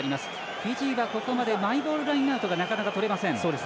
フィジーは、ここまでマイボールラインアウトがなかなかとれません。